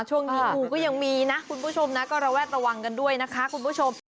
ช่วงนี้งูก็ยังมีนะคุณผู้ชมนะก็ระแวดระวังกันด้วยนะคะคุณผู้ชม